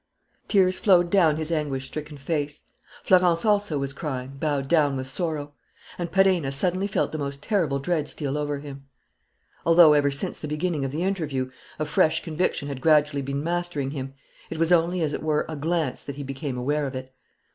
Tears flowed down his anguish stricken face. Florence also was crying, bowed down with sorrow. And Perenna suddenly felt the most terrible dread steal over him. Although, ever since the beginning of the interview, a fresh conviction had gradually been mastering him, it was only as it were a glance that he became aware of it.